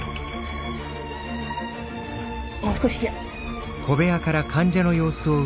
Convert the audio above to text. もう少しじゃ。